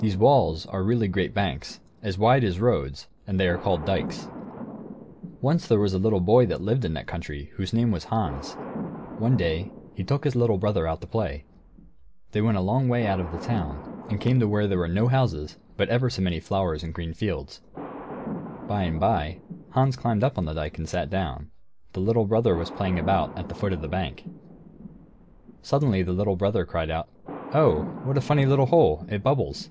These walls are really great banks, as wide as roads, and they are called "dikes." Once there was a little boy who lived in that country, whose name was Hans. One day, he took his little brother out to play. They went a long way out of the town, and came to where there were no houses, but ever so many flowers and green fields. By and by, Hans climbed up on the dike, and sat down; the little brother was playing about at the foot of the bank. Suddenly the little brother called out, "Oh, what a funny little hole! It bubbles!"